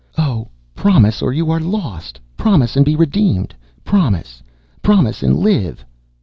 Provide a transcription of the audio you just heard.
"Oh, promise, or you are lost! Promise, and be redeemed! Promise! Promise and live!"